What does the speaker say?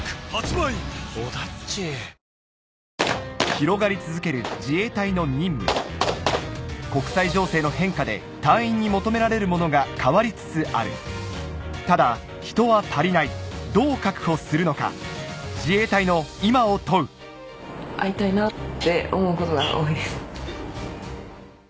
広がり続ける自衛隊の任務国際情勢の変化で隊員に求められるものが変わりつつあるただ人は足りないどう確保するのか自衛隊の今を問うあっ！